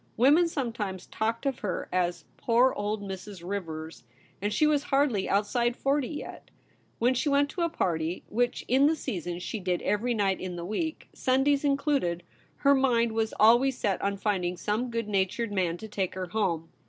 Women some times talked of her as ' poor old Mrs. Rivers ;' and she was hardly outside forty yet ! When she went to a party, which in the season she did every night in the week, Sundays in cluded, her mind was always set on finding some good natured man to take her home.